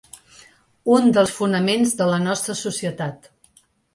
Un dels fonaments de la nostra societat